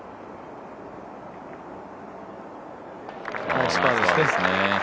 ナイスパーですね。